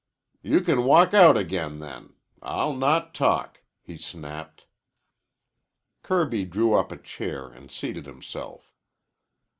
"You can walk out again, then. I'll not talk," he snapped. Kirby drew up a chair and seated himself.